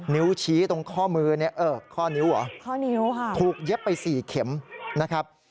นิ้วชี้ตรงข้อมือเนี่ยเออข้อนิ้วเหรอข้อนิ้วค่ะถูกเย็บไปสี่เข็มนะครับ